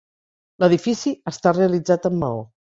L'edifici està realitzat en maó.